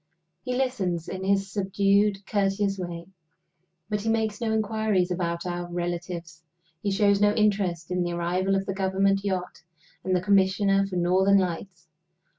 He listens in his subdued, courteous way; but he makes no inquiries about our relatives; he shows no interest in the arrival of the Government yacht and the Commissioner for Northern Lights.